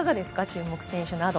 注目選手など。